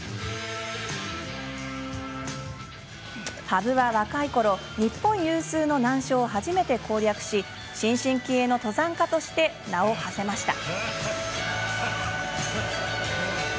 羽生は若いころ日本有数の難所を初めて攻略し新進気鋭の登山家として名をはせました。